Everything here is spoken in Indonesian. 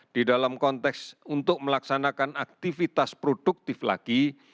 di dalam konteks untuk melaksanakan aktivitas produktif lagi